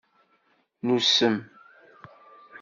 Nusem.